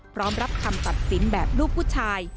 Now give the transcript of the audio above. พร้อมรับคำตัดสินแบบลูกผู้ชาย